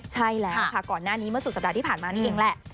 ใช่แล้วค่ะก่อนหน้านี้เมื่อสุดสัปดาห์ที่ผ่านมานั่นเองแหละ